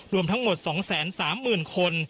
รวมทั้งหมด๒๓๐๐๐คน